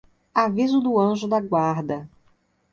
Aviso do anjo da guarda